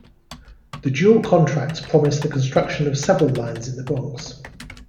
The Dual Contracts promised the construction of several lines in the Bronx.